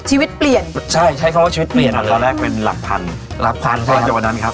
ชีวิตเปลี่ยนใช่ใช้เค้าว่าชีวิตเปลี่ยนตอนแรกเป็นหลักพัน